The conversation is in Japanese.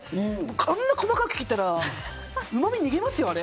あんな細かく切ったらうまみ逃げますよ、あれ。